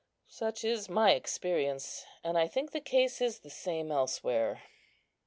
Such is my experience, and I think the case is the same elsewhere."